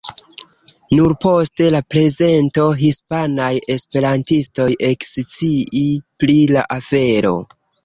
Nur post la prezento hispanaj esperantistoj eksciis pri la afero.